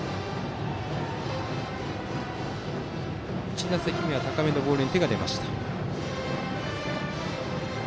１打席目は高めのボールに手が出ました。